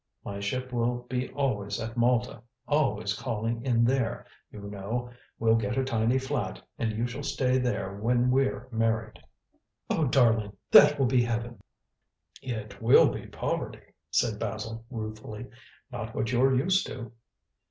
My ship will be always at Malta always calling in there, you know. We'll get a tiny flat, and you shall stay there when we're married." "Oh, darling, that will be heaven!" "It will be poverty," said Basil ruefully; "not what you're used to."